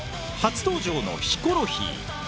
初登場のヒコロヒー。